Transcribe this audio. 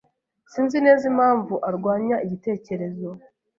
Sinzi neza impamvu arwanya igitekerezo.